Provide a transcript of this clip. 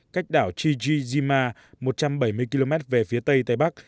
cách đảo jjima một trăm bảy mươi km về phía tây tây bắc